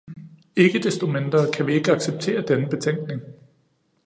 Ikke desto mindre kan vi ikke acceptere denne betænkning.